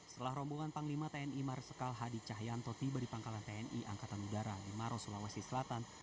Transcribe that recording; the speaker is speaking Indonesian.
setelah rombongan panglima tni marsikal hadi cahyantoti beri pangkalan tni angkatan udara maros sulawesi selatan